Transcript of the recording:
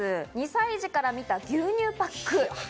２歳児から見た牛乳パック。